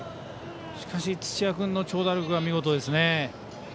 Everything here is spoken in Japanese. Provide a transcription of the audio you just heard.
しかし、土屋君の長打力は見事ですね。